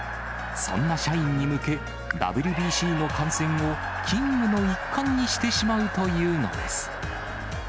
そんな社員に向け、ＷＢＣの観戦を勤務の一環にしてしまうというのです。